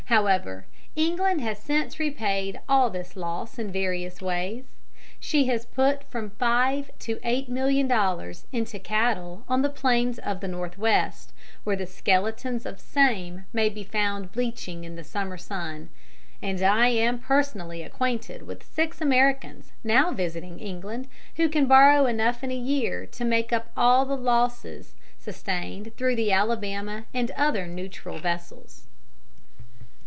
However, England has since repaid all this loss in various ways. She has put from five to eight million dollars into cattle on the plains of the Northwest, where the skeletons of same may be found bleaching in the summer sun; and I am personally acquainted with six Americans now visiting England who can borrow enough in a year to make up all the losses sustained through the Alabama and other neutral vessels. [Illustration: PERSONALLY ACQUAINTED WITH SIX AMERICANS.